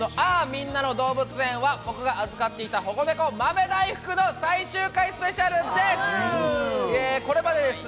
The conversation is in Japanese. みんなの動物園』は僕が預かっていた保護猫、豆大福の最終回スペシャルです。